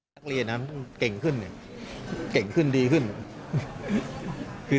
นักเลียนจะเค็งขึ้นเค็งขึ้นดีขึ้น